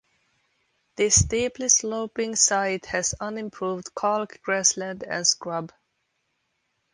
This steeply sloping site has unimproved chalk grassland and scrub.